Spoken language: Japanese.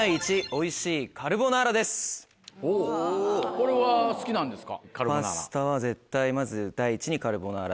これは好きなんですか？